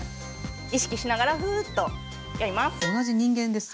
意識しながらフーッとやります。